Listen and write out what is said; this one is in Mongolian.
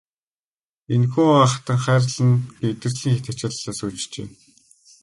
Энэхүү хатанхайрал нь мэдрэлийн хэт ачааллаас үүджээ.